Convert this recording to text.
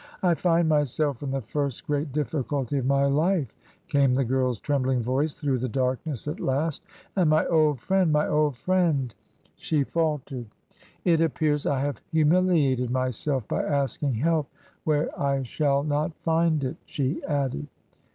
" I find myself in the first great difficulty of my life," came the girl's trembling voice through the darkness at last, " and my old friend, my old friend " She faltered. " It appears I have humiliated myself by asking help where I shall not find it," she added.